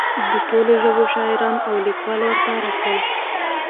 د ټولو ژبو شاعران او لیکوال ورته راتلل.